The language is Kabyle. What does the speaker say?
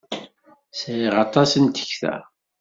Sɛiɣ aṭas n tekta.